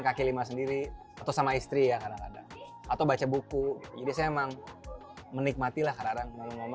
kaki lima sendiri atau sama istri ya kadang kadang atau baca buku jadi saya emang menikmati lah kadang kadang mama